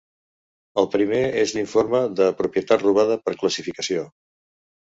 El primer és l'informe de Propietat Robada per Classificació.